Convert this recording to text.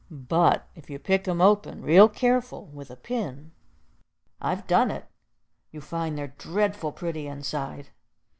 But if you pick 'em open, real careful, with a pin, I've done it, you find they're dreadful pretty inside.